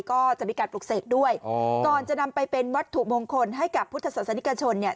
ก็จะมีการปลูกเสกด้วยอ๋อก่อนจะนำไปเป็นวัตถุมงคลให้กับพุทธศาสนิกชนเนี่ย